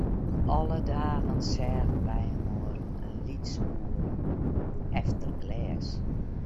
Alle dagen seagen wy inoar in lyts oere, efter glês.